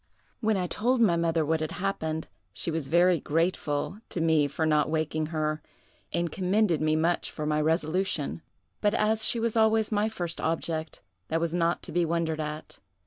"When I told my mother what had happened, she was very grateful to me for not waking her, and commended me much for my resolution; but as she was always my first object, that was not to be wondered at.